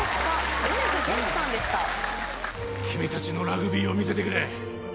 「君たちのラグビーを見せてくれ。